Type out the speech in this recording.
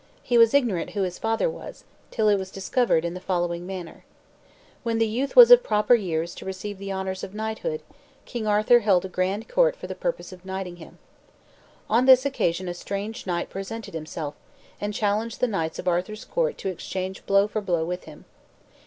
He was ignorant who his father was, till it was discovered in the following manner: When the youth was of proper years to receive the honors of knighthood, King Arthur held a grand court for the purpose of knighting him. On this occasion a strange knight presented himself, and challenged the knights of Arthur's court to exchange blow for blow with him.